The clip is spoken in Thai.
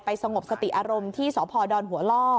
สงบสติอารมณ์ที่สพดหัวล่อ